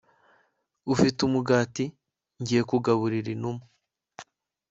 ufite umugati? ngiye kugaburira inuma